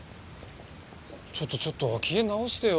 ちょっとちょっと機嫌直してよ。